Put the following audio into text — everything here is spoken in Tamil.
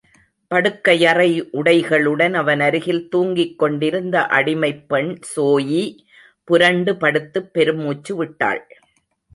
படுக்கையறை உடைகளுடன் அவனருகில் தூங்கிக் கொண்டிருந்த அடிமைப்பெண் ஸோயி புரண்டு படுத்துப் பெருமூச்சு விட்டாள்.